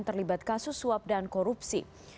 terlibat kasus suap dan korupsi